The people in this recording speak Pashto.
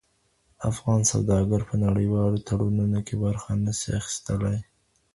افغان سوداګر په نړیوالو تړونونو کي برخه نه سي اخیستلای.